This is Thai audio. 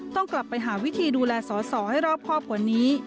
ต้องกลับไปหาวิธีดูแลสอสอให้รอบครอบกว่านี้